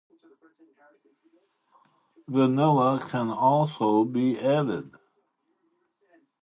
Vanilla can also be added.